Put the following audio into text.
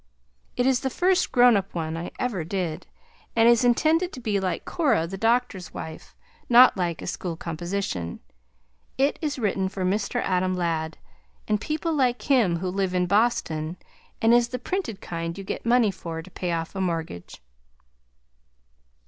It is the first grown up one I ever did, and is intended to be like Cora the Doctor's Wife, not like a school composition. It is written for Mr. Adam Ladd, and people like him who live in Boston, and is the printed kind you get money for, to pay off a mortgage.